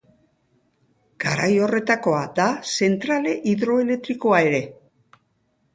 Garai horretakoa da zentrale hidroelektrikoa ere.